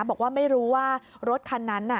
บอกว่าไม่รู้ว่ารถคันนั้นน่ะ